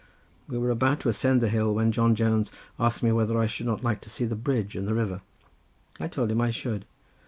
We were about to ascend the hill when John Jones asked me whether I should not like to see the bridge and the river. I told him I should.